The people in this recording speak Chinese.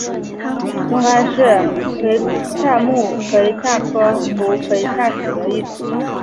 棕蚶是魁蛤目魁蛤科胡魁蛤属的一种。